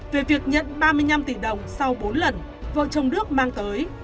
về việc nhận ba mươi năm tỷ đồng sau bốn lần vợ chồng đức mang tới